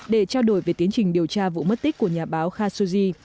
để trao đổi về tiến trình điều tra vụ mất tích của nhà báo khashoggi